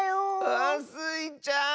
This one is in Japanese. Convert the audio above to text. あスイちゃん。